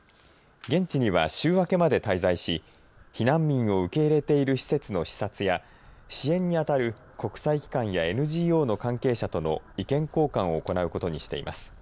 現地には週明けまで滞在し避難民を受け入れている施設の視察や支援にあたる国際機関やＮＧＯの関係者との意見交換を行うことにしています。